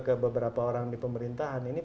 ke beberapa orang di pemerintahan ini